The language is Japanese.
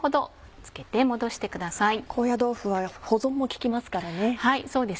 高野豆腐は保存も利きますからね。